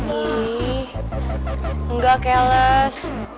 ih enggak kayak les